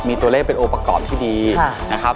มีตัวเลขเป็นองค์ประกอบที่ดีนะครับ